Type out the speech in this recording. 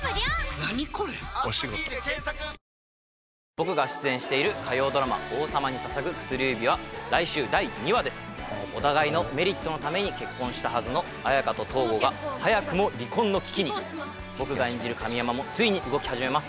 僕が出演している火曜ドラマ「王様に捧ぐ薬指」は来週第２話ですお互いのメリットのために結婚したはずの綾華と東郷が早くも離婚の危機に僕が演じる神山もついに動き始めます